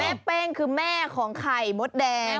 เป้งคือแม่ของไข่มดแดง